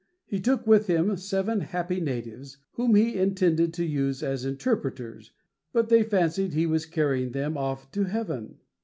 He took with him seven happy natives, whom he intended to use as interpreters; but they fancied he was carrying them off to heaven.